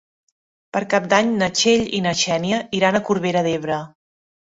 Per Cap d'Any na Txell i na Xènia iran a Corbera d'Ebre.